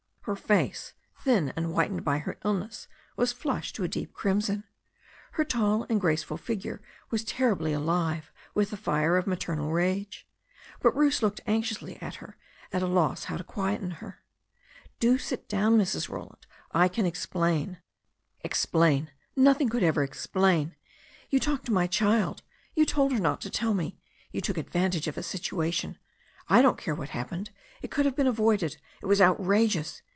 Her face, thin and whitened by her illness, was flushed to a deep crimson. Her tall and grace ful figure was terribly alive with the fire of maternal rage. But Bruce looked anxiously at her, at a loss how to quieten her. "Do sit down, Mrs. Roland. I can explain *' "Explain — ^nothing could ever explain. You talked to my child — ^you told her not to tell me. You took advantage of a situation. I don't care what happened. It could have been avoided — it was outrageous.